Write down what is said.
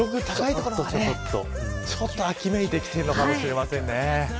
ちょっと秋めいてきているのかもしれませんね。